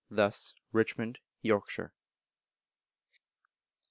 Thus, Richmond, Yorkshire.